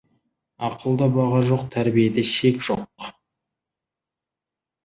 Ақылда баға жоқ, тәрбиеде шек жоқ.